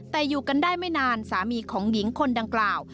แต่อยู่กันได้ไม่นานสามีของหญิงคนดังกล่าว